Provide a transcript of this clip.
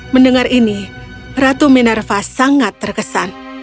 mendengar ini ratu minarva sangat terkesan